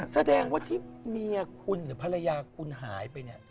แสดงว่าที่เมียคุณหรือภรรยาคุณหายไปเนี่ย